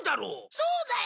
そうだよ。